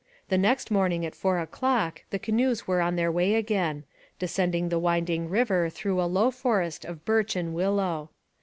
The next morning at four o'clock the canoes were on their way again, descending the winding river through a low forest of birch and willow.